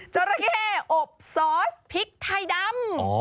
จราเข้ออบซอสพริกไทยดำ